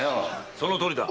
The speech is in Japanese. ・そのとおりだ。